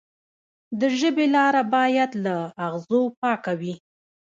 د ژبې لاره باید له اغزو پاکه وي.